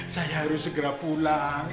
saya harus segera pulang